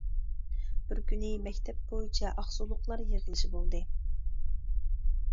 بىر كۈنى مەكتەپ بويىچە ئاقسۇلۇقلار يىغلىشى بولدى.